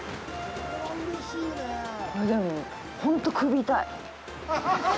これ、でも本当に首痛い。